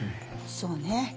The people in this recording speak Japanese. そうね。